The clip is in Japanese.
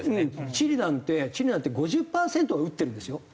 チリなんてチリなんて５０パーセントは打ってるんですよ。